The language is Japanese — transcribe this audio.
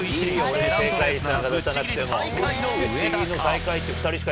ペナントレースならぶっちぎり最下位の上田か。